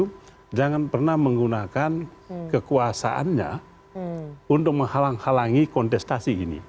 karena presiden pernah menggunakan kekuasaannya untuk menghalang halangi kontestasi ini